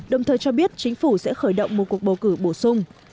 đồng thời cho biết chính phủ sẽ khởi động một cuộc bầu cử bổ sung